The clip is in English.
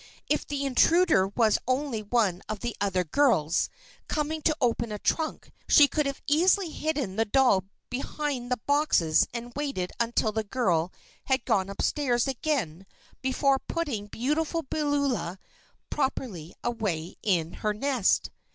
If the intruder was only one of the other girls, coming to open a trunk, she could easily have hidden the doll behind the boxes and waited until the girl had gone up stairs again before putting Beautiful Beulah properly away in her nest.